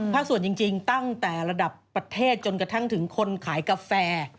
ส่วนจริงตั้งแต่ระดับประเทศจนกระทั่งถึงคนขายกาแฟ